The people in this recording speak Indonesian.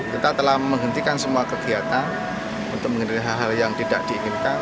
kita telah menghentikan semua kegiatan untuk menghindari hal hal yang tidak diinginkan